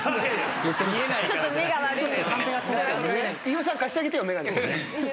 飯尾さん貸してあげてよ眼鏡。